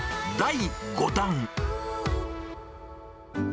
第５弾。